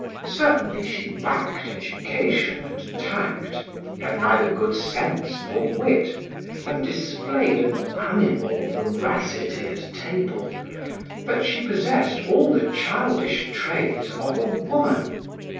Certainly, she lacked education and tact, had neither good sense nor wit, and displayed an animal voracity at table, but she possessed all the childish traits of a woman.